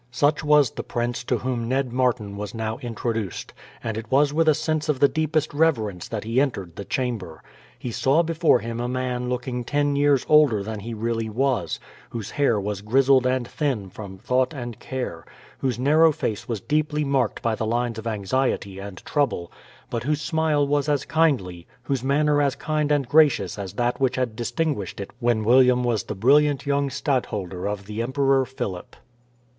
Such was the prince to whom Ned Martin was now introduced, and it was with a sense of the deepest reverence that he entered the chamber. He saw before him a man looking ten years older than he really was; whose hair was grizzled and thin from thought and care, whose narrow face was deeply marked by the lines of anxiety and trouble, but whose smile was as kindly, whose manner as kind and gracious as that which had distinguished it when William was the brilliant young stadtholder of the Emperor Philip.